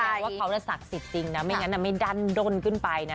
เพราะว่าเขาศักดิ์สิทธิ์จริงนะไม่งั้นไม่ดันด้นขึ้นไปนะ